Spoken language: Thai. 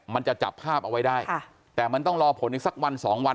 มันจะจับภาพเอาไว้ได้ค่ะแต่มันต้องรอผลอีกสักวันสองวัน